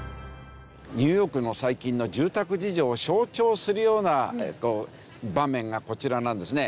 ニューヨークの最近の住宅事情を象徴するような場面がこちらなんですね。